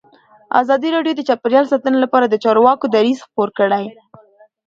ازادي راډیو د چاپیریال ساتنه لپاره د چارواکو دریځ خپور کړی.